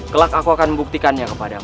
kelak aku akan membuktikannya kepadamu